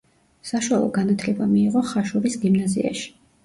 საშუალო განათლება მიიღო ხაშურის გიმნაზიაში.